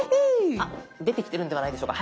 あっ出てきてるんではないでしょうか。